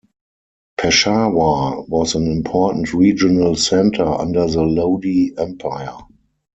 Peshawar was an important regional centre under the Lodi Empire.